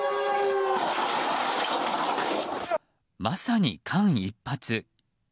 まさに間一髪。